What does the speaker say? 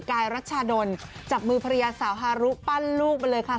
กายรัชชาดลจับมือภรรยาสาวฮารุปั้นลูกไปเลยค่ะ